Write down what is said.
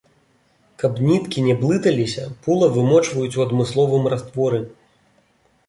Каб ніткі не блыталіся пула вымочваюць у адмысловым растворы.